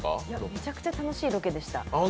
めちゃくちゃ楽しいロケでした。